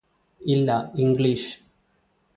ഇല്ല ഇംഗ്ലീഷ്